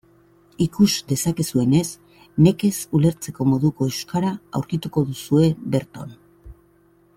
Ikus dezakezuenez, nekez ulertzeko moduko euskara aurkituko duzue berton.